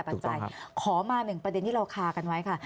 ถูกต้องครับขอมา๑ประเด็นที่เราคากันไว้ค่ะ